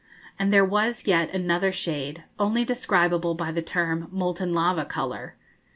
And there was yet another shade, only describable by the term 'molten lava colour.'